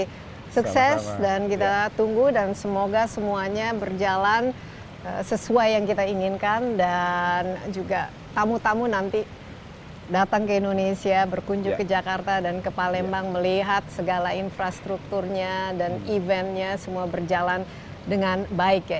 oke sukses dan kita tunggu dan semoga semuanya berjalan sesuai yang kita inginkan dan juga tamu tamu nanti datang ke indonesia berkunjung ke jakarta dan ke palembang melihat segala infrastrukturnya dan eventnya semua berjalan dengan baik ya